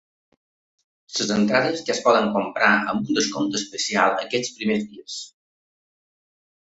Les entrades ja es poden comprar amb un descompte especial aquests primers dies.